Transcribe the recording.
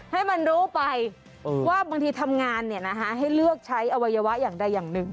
ให้มันรู้ไปว่าบางทีทำงานให้เลือกใช้อวัยวะอย่างใดอย่างหนึ่ง